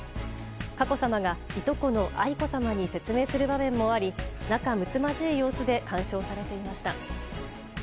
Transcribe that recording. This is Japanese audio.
佳子さまが、いとこの愛子さまに説明する場面もあり仲睦まじい様子で鑑賞されていました。